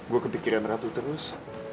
gue kepikiran ratu terus